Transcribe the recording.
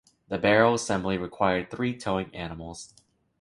The barrel assembly required three towing animals.